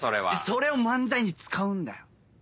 それを漫才に使うんだよ。